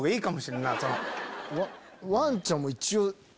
ワンちゃんも一応。